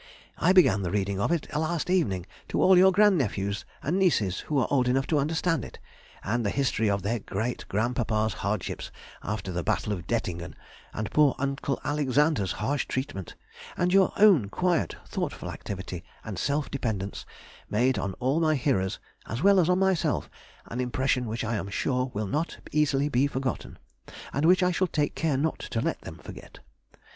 I began the reading of it last evening to all your grand nephews and nieces who are old enough to understand it, and the History of their great grandpapa's hardships after the Battle of Dettingen, and poor uncle Alexander's harsh treatment, and your own quiet, thoughtful activity and self dependence, made on all my hearers, as well as on myself, an impression which I am sure will not easily be forgotten, and which I shall take care not to let them forget.